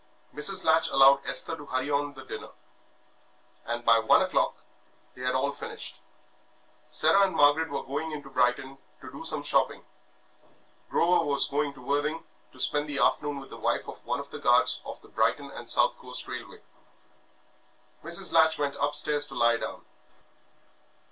Mrs. Latch allowed Esther to hurry on the dinner, and by one o'clock they had all finished. Sarah and Margaret were going into Brighton to do some shopping, Grover was going to Worthing to spend the afternoon with the wife of one of the guards of the Brighton and South Coast Railway. Mrs. Latch went upstairs to lie down.